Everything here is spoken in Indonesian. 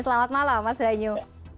selamat malam mas danyu